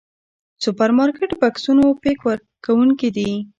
سوپرمارکېټ بکسونو پيک کوونکي دي.